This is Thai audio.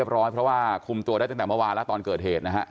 เพราะว่าคุมตัวได้ตั้งแต่เมื่อวานแล้วตอนเกิดเหตุนะฮะ